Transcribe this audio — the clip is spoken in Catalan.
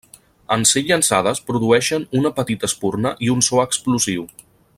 En ser llançades produeixen una petita espurna i un so explosiu.